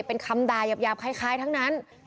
เป็นคำด่ายาบคล้ายทั้งนั้น